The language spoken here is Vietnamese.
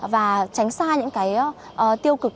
và tránh xa những cái tiêu cực